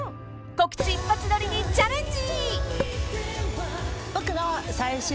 ［告知一発撮りにチャレンジ！］